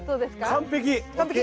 完璧。